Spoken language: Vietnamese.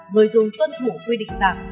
người dùng tuân hữu quy định xạc